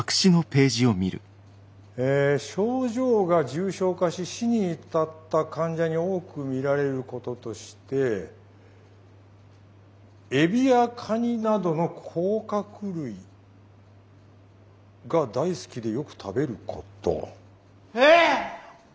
え症状が重症化し死に至った患者に多く見られることとしてエビやカニなどの甲殻類が大好きでよく食べること。え！？